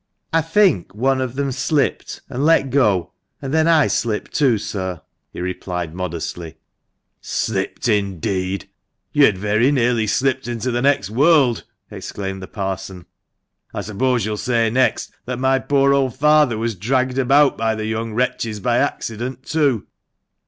"I think one of them slipped, and let go, and then I slipped too, sir," he replied, modestly. " Slipped, indeed ! You'd very nearly slipped into the next world!" exclaimed the parson "I suppose you'll say next that my poor old father was dragged about by the young wretches by accident, too?"